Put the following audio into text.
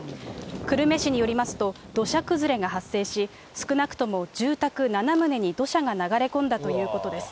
久留米市によりますと、土砂崩れが発生し、少なくとも住宅７棟に土砂が流れ込んだということです。